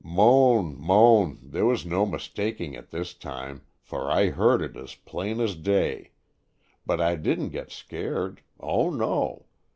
"Moan, moan, there was no mistaking it this time, for I heard it as plain as day; but I didn't get scared— oh, no!